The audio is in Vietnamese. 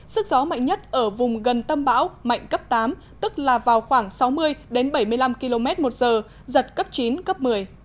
sức gió mạnh nhất ở vùng gần tâm bão mạnh cấp tám tức là vào khoảng sáu mươi bảy mươi năm km một giờ giật cấp chín cấp một mươi